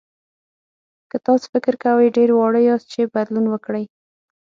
که تاسو فکر کوئ ډېر واړه یاست چې بدلون وکړئ.